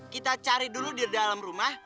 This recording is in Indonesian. kita cari dulu di dalam rumah